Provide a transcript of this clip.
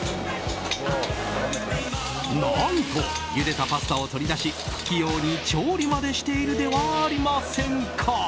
何と、ゆでたパスタを取り出し器用に調理までしているではありませんか。